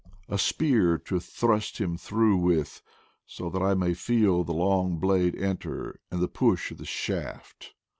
A spear to thrust him through with, so that I may feel the long blade enter, and the push of the shaft.